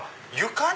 床に。